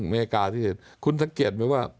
อเมริกาที่เห็นคุณสังเกตไหมว่า